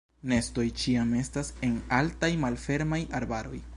Nestoj ĉiam estas en altaj malfermaj arbaroj.